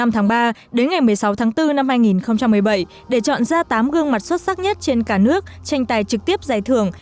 hai mươi tháng ba đến ngày một mươi sáu tháng bốn năm hai nghìn một mươi bảy để chọn ra tám gương mặt xuất sắc nhất trên cả nước tranh tài trực tiếp giải thưởng